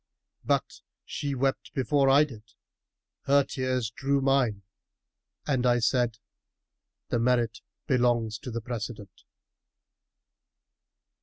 But she wept before I did: her tears drew mine; and I said, * The merit belongs to the precedent.